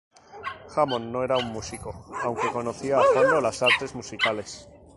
Hammond no era un músico aunque conocía a fondo las artes musicales.